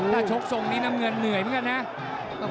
ถ้าชกทรงนี้น้ำเงินเหนื่อยเหมือนกันนะ